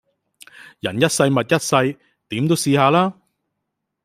人一世物一世，點都試下啦